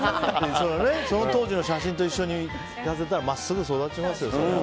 その当時の写真と一緒にしたら真っすぐ育ちますよ。